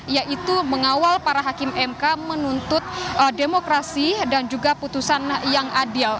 yaitu mengawal para hakim mk menuntut demokrasi dan juga putusan yang adil